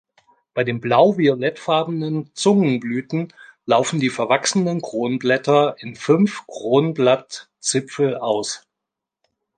Bei den blau-violettfarbenen Zungenblüten laufen die verwachsenen Kronblätter in fünf Kronblattzipfel aus.